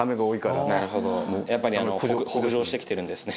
やっぱり北上してきてるんですね